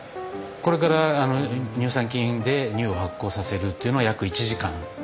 これから乳酸菌で乳を発酵させるっていうのを約１時間。